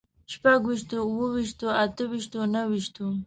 شپږ ويشتو، اووه ويشتو، اته ويشتو، نهه ويشتو